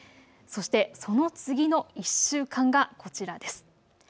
そしてその次の１週間がこちらです。